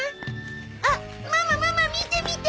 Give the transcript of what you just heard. あっママママ見て見て！